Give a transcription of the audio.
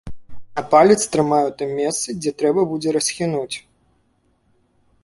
А палец трымае ў тым месцы, дзе трэба будзе расхінуць.